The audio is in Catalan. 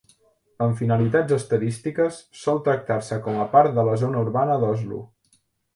Amb finalitats estadístiques, sol tractar-se com a part de la zona urbana d'Oslo.